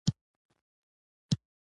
بخښنه د زړه ارامي ده.